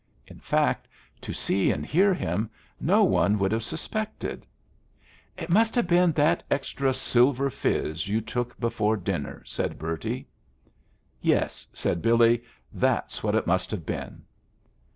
In fact, to see and hear him, no one would have suspected "It must have been that extra silver fizz you took before dinner," said Bertie. "Yes," said Billy; "that's what it must have been."